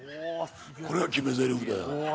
これが決めぜりふだよ。